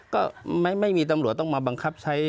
ก็ไม่มีตำรวจต้องมาบังคับใช้